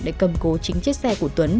để cầm cố chính chiếc xe của tuấn